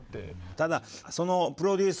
ただそのプロデュース